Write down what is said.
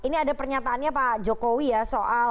ini ada pernyataannya pak jokowi ya soal